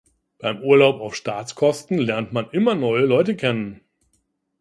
Beim Urlaub auf Staatskosten lernt man immer neue Leute kennen.